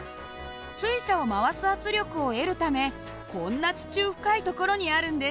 水車を回す圧力を得るためこんな地中深い所にあるんです。